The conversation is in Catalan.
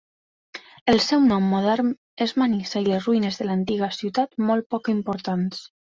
El seu nom modern és Manisa i les ruïnes de l'antiga ciutat molt poc importants.